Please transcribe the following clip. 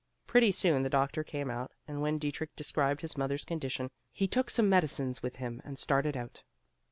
Pretty soon the doctor came out, and when Dietrich described his mother's condition, he took some medicines with him and started out.